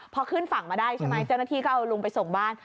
พอขึ้นฝั่งมาได้ใช่ไหมเจ้าหน้าที่ก็เอาลุงไปส่งบ้าน